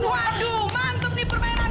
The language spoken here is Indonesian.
waduh mantep nih permainan